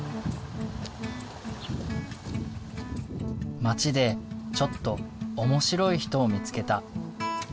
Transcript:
町でちょっと面白い人を見つけた。